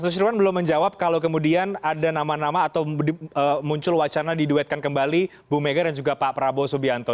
susirwan belum menjawab kalau kemudian ada nama nama atau muncul wacana diduetkan kembali bu mega dan juga pak prabowo subianto